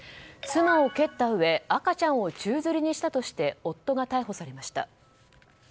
妻を蹴ったうえ赤ちゃんを宙づりにしたとして夫が逮捕されました。